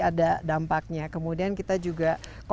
ada dampaknya kemudian kita juga